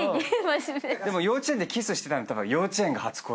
でも幼稚園でキスしてた幼稚園が初恋。